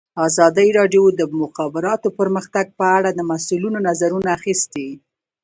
ازادي راډیو د د مخابراتو پرمختګ په اړه د مسؤلینو نظرونه اخیستي.